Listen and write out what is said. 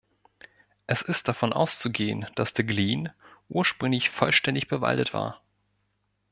Es ist davon auszugehen, dass der Glien ursprünglich vollständig bewaldet war.